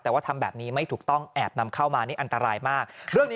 แต่ว่าทำแบบนี้ไม่ถูกต้องแอบนำเข้ามานี่อันตรายมากเรื่องนี้